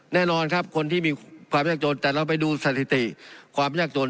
แน่นอนครับคนที่มีความยากจนแต่เราไปดูสถิติความยากจน